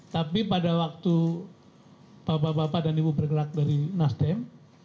tapi pada waktu bapak bapak dan ibu bergerak dari nasdem